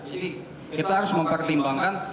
jadi kita harus mempertimbangkan